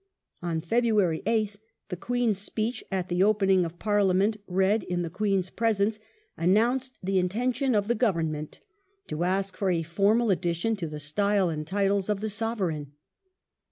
On February 8th the Queen's Speech at the opening of Parliament, read in the Queen's presence,^ announced the intention of the Government to ask for a " formal addition to the style and titles of the Sovereign